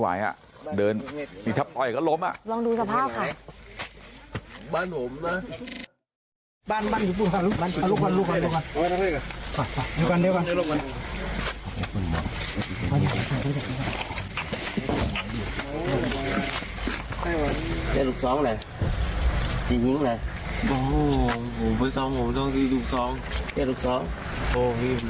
ใจหลุดสองไหนอีกยิ้งอะไรห่วงห่วงผ้าสองห่วงต้องดูลูกสอง